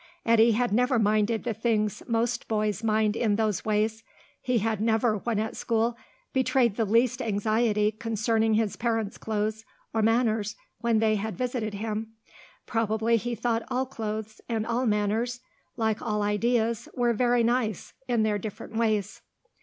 Eddy had never minded the things most boys mind in those ways; he had never, when at school, betrayed the least anxiety concerning his parents' clothes or manners when they had visited him; probably he thought all clothes and all manners, like all ideas, were very nice, in their different ways.